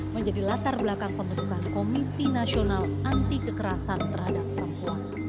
seribu sembilan ratus sembilan puluh delapan menjadi latar belakang pembentukan komisi nasional anti kekerasan terhadap perempuan